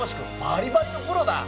バリバリのプロだ！